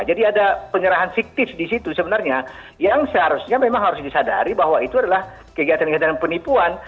ada penyerahan fiktif di situ sebenarnya yang seharusnya memang harus disadari bahwa itu adalah kegiatan kegiatan penipuan